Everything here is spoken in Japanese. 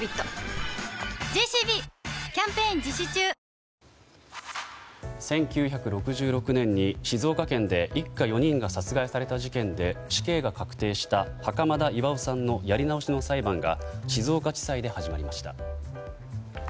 帰れば「金麦」１９６６年に静岡県で一家４人が殺害された事件で死刑が確定した袴田巌さんのやり直しの裁判が静岡地裁で始まりました。